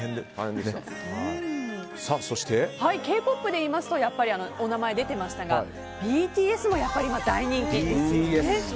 Ｋ‐ＰＯＰで言いますとお名前が出てましたが、ＢＴＳもやっぱり大人気ですよね。